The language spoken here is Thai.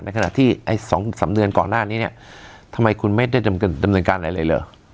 ในขณะที่ไอ้สองสามเดือนก่อนหน้านี้เนี้ยทำไมคุณไม่ได้ดำเงินการอะไรเลย